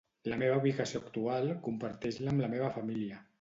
La meva ubicació actual, comparteix-la amb la meva família.